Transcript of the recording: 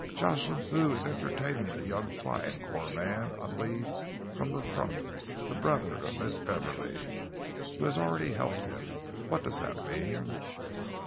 'Jocelyn Thew is entertaining a young Flying Corps man on leave from the front, the brother of Miss Beverley, who has already helped him. What does that mean?'